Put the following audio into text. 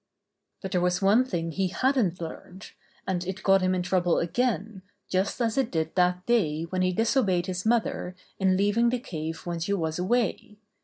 But there was one thing he hadn't learned, and it got him in trouble again just as it did that day when he disobeyed his mother in leav ing the cave when she was away.